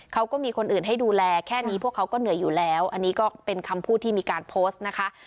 เขาก็มีคนอื่นให้ดูแลแค่นี้พวกเขาก็เหนื่อยอยู่แล้วอันนี้ก็เป็นคำพูดที่มีการโพสต์นะคะ